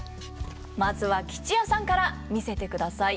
まずは吉弥さんから見せてください。